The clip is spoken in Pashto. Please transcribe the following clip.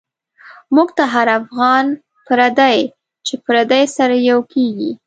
موږ ته هر افغان پردی، چی پردی سره یو کیږی